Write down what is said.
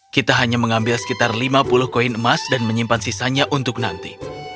kita hanya mengambil sekitar lima puluh koin emas dan menyimpan sisanya untuk nanti